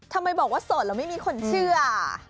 ทำไมบอกว่าโสดแล้วไม่มีคนเชื่อ